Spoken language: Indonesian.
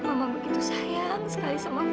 mama begitu sayang sekali sama